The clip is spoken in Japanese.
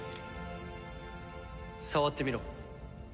触ってみろ。